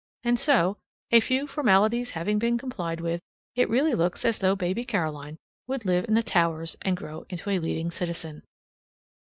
And so, a few formalities having been complied with, it really looks as though baby Caroline would live in the Towers and grow into a leading citizen.